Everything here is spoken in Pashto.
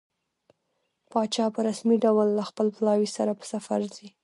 پاچا په رسمي ډول له خپل پلاوي سره په سفر ځي.